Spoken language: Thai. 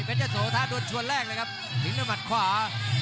เป็นเจ้าโสว์ท่าตัวชวนแรกเลยครับถึงด้วยมัดขวา